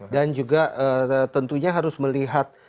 dan juga tentunya harus melihat